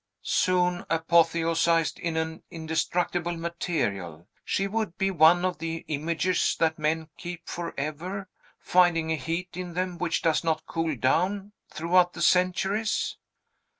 Soon, apotheosized in an indestructible material, she would be one of the images that men keep forever, finding a heat in them which does not cool down, throughout the centuries?